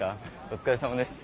お疲れさまです。